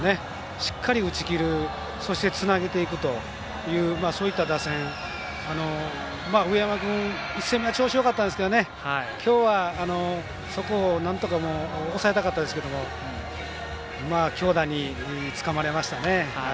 しっかり打ちきるそして、つなげていくというそういった打線、上山君１戦目は調子よかったですけどきょうは、そこをなんとか抑えたかったですけど強打につかまれましたね。